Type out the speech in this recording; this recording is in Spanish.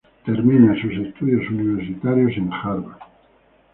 Termina sus estudios universitarios en Harvard.